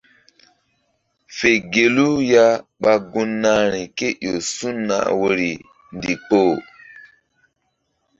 Fe gelu ya ɓa gun nahri kéƴo su̧nah woyri ndikpoh.